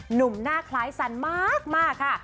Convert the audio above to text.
หนุ่มหน้าคล้ายสันมากค่ะ